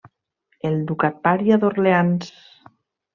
El Ducat-paria d'Orleans.